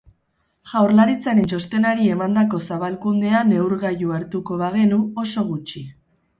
Jaurlaritzaren txostenari emandako zabalkundea neurgailu hartuko bagenu, oso gutxi.